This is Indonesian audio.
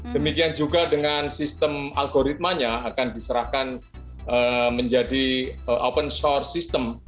demikian juga dengan sistem algoritmanya akan diserahkan menjadi open shore system